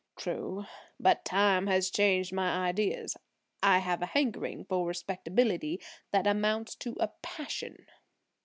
"True; but time has changed my ideas. I have a hankering for respectability that amounts to a passion."